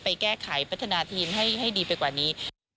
ไปแก้ไขพัฒนาทีมให้ดีไปกว่านี้